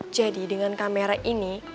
jadi dengan kamera ini